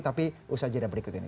tapi usaha jadwal berikut ini